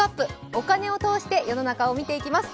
お金を通して世の中を見ていきます。